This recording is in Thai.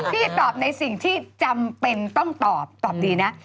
พี่ตอบในสิ่งที่จำเป็นต้องตอบตอบดีนะ